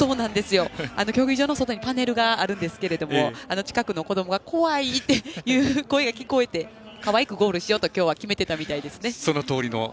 競技場の外にパネルがあるんですけども近くの子どもが怖いっていう声が聞こえてかわいくゴールしようと今日は決めていたようです。